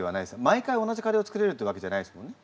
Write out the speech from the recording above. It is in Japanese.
毎回同じカレーを作れるっていうわけじゃないですもんね。